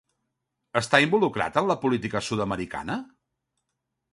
Està involucrat en la política sud-americana?